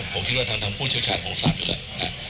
ผมคิดว่าทางผู้เชี่ยวชาญของศาลอยู่แล้วนะ